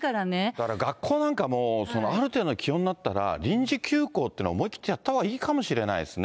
だから学校なんかもある程度の気温になったら、臨時休校っていうの思い切ってやったほうがいいかもしれないですね。